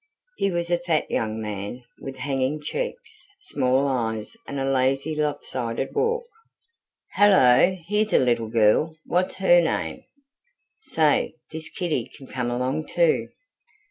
He was a fat young man, with hanging cheeks, small eyes, and a lazy, lopsided walk. "Hello here's a little girl! What's HER name? Say, this kiddy can come along too."